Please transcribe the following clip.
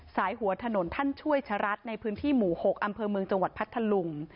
หัวถนนท่านช่วยชะรัฐในพื้นที่หมู่๖อำเภอเมืองจังหวัดพัทธลุง